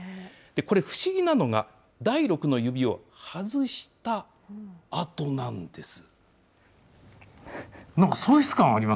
これ、不思議なのが第６の指を外したあとなんです。